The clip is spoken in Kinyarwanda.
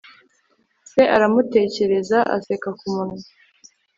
Se aramutekereza aseka kumunwa